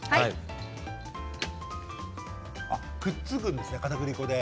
くっつくんですねかたくり粉で。